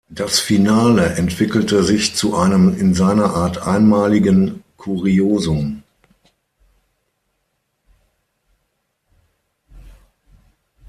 Das Finale entwickelte sich zu einem in seiner Art einmaligen Kuriosum.